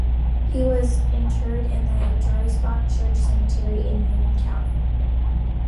He was interred in the Driesbach Church Cemetery in Union County.